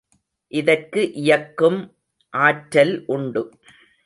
இதற்கு இயக்கும் ஆற்றல் உண்டு.